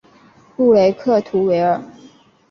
布雷克图维尔。